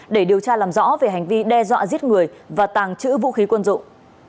để điều tra làm rõ về hành vi đe dọa giết người và tàng trữ vũ khí quân dụng